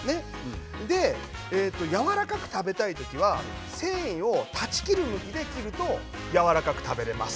やわらかく食べたい時は繊維を断ち切る向きで切るとやわらかく食べられます。